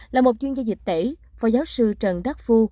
là một chuyên gia dịch tễ phó giáo sư trần đắc phu